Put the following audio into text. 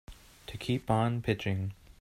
To keep on pitching.